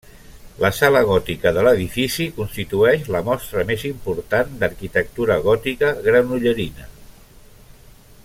La sala gòtica de l'edifici constitueix la mostra més important d'arquitectura gòtica granollerina.